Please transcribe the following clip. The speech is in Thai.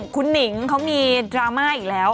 คุณหนิงเขามีดราม่าอีกแล้ว